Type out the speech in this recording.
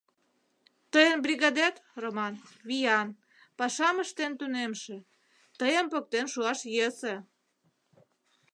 Тыйын бригадет, Роман, виян, пашам ыштен тунемше, тыйым поктен шуаш йӧсӧ...